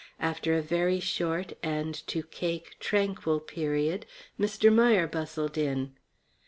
After a very short and, to Cake, tranquil period, Mr. Meier bustled in.